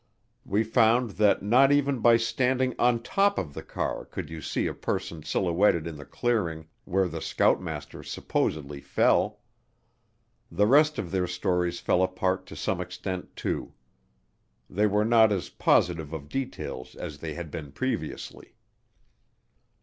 We found that not even by standing on top of the car could you see a person silhouetted in the clearing where the scoutmaster supposedly fell. The rest of their stories fell apart to some extent too. They were not as positive of details as they had been previously.